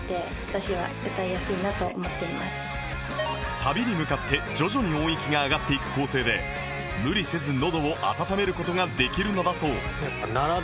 サビに向かって徐々に音域が上がっていく構成で無理せずのどを温める事ができるのだそう